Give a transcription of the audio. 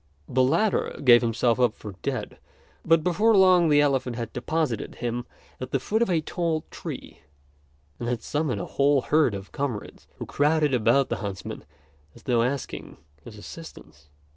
The latter gave himself up for dead; but before long the elephant had deposited him at the foot of a tall tree, and had summoned a whole herd of comrades, who crowded about the huntsman as though asking his assistance.